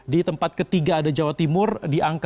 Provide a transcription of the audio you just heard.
di tempat ketiga ada jawa timur di angka satu tujuh ratus